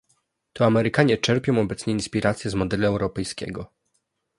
To Amerykanie czerpią obecnie inspirację z modelu europejskiego